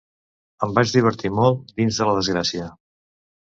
Em vaig divertir molt, dins de la desgràcia.